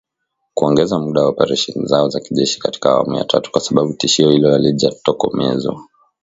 Kuongeza muda wa operesheni zao za kijeshi katika awamu ya tatu, kwa sababu tishio hilo halijatokomezwa.